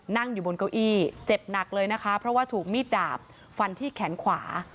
นั่งอยู่บนเก้าอี้เจ็บหนักเลยนะคะเพราะว่าถูกมีดดาบฟันที่แขนขวา